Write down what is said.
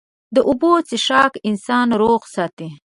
د اوبو څښاک انسان روغ ساتي.